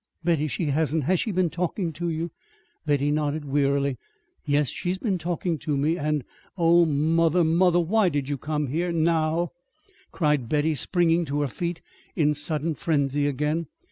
Betty, she hasn't has she been talking to you?" Betty nodded wearily. "Yes, she's been talking to me, and Oh, mother, mother, why did you come here now?" cried Betty, springing to her feet in sudden frenzy again.